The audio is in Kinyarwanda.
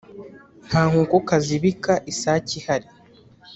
Nta nkokokazi ibika isake ihari.